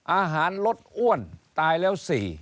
อาหารลดอ้วนตายแล้ว๔